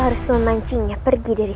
selagi aku berbaik hati kepadamu